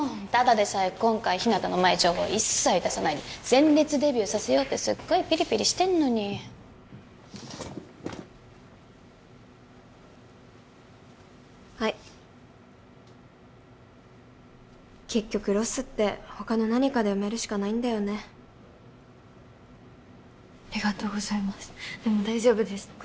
ただでさえ今回ｈｉｎａｔａの前情報一切出さないで鮮烈デビューさせようってすっごいピリピリしてんのにはい結局ロスって他の何かで埋めるしかないんだよねありがとうございますでも大丈夫です